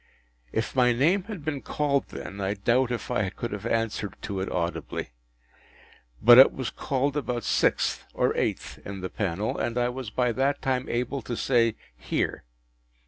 If my name had been called then, I doubt if I could have answered to it audibly. But it was called about sixth or eighth in the panel, and I was by that time able to say, “Here!